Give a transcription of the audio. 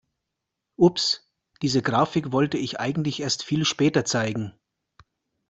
Ups, diese Grafik wollte ich eigentlich erst viel später zeigen.